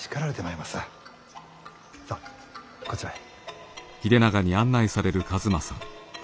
さあこちらへ。